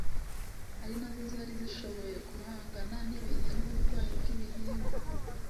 ari nazo zari zishoboye guhangana n’ibihe n’uburwayi bw’ibihingwa